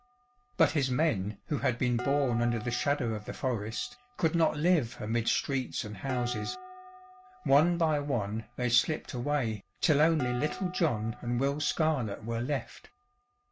But his men who had been born under the shadow of the forest, could not live amid streets and houses. One by one they slipped away, till only little John and Will Scarlett were left.